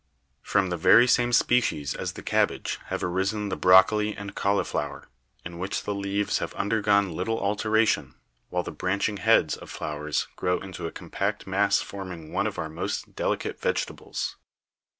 From the very same species as the cabbage have arisen the broccoli and cauliflower, in which the leaves have undergone little alteration, while the branching heads of flowers grow into a compact mass forming one of our most delicate vegetables.